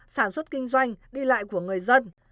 sản xuất kinh doanh đi lại của người dân